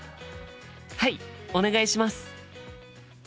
はいお願いします。